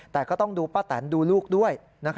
แต่ก็ต้องดูป้าแตนดูลูกด้วย